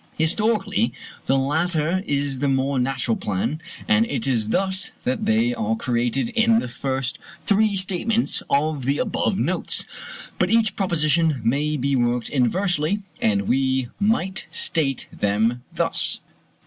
Historically, the latter is the more natural plan, and it is thus that they are treated in the first three statements of the above notes; but each proposition may be worked inversely, and we might state them thus: 1.